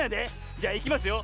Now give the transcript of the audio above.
じゃいきますよ。